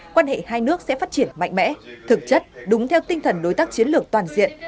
quan hệ hai nước sẽ phát triển mạnh mẽ thực chất đúng theo tinh thần đối tác chiến lược toàn diện